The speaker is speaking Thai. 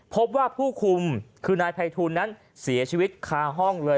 พบว่าผู้คุมคือนายภัยทูลนั้นเสียชีวิตคาห้องเลย